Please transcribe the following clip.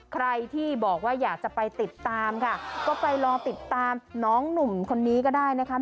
ใครที่บอกว่าอยากจะไปติดตามค่ะก็ไปลองติดตามน้องหนุ่มคนนี้ก็ได้นะคะ